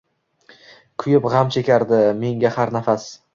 Kuyib, g’am chekardi menga har nafas.